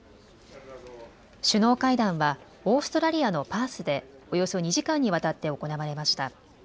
首脳会談はオーストラリアのパースでおよそ２時間にわたって行われました。